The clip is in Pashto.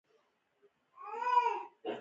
سیالان له بازار څخه بهر کیږي.